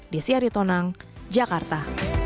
desyari tonang jakarta